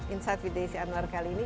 insight with desi anwar kali ini